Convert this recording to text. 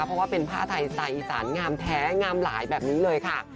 เพราะว่าเป็นผ้าไทยสไตล์อีสานงามแท้งามหลายแบบนี้เลยค่ะ